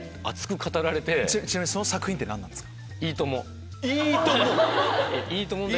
ちなみにその作品って何ですか？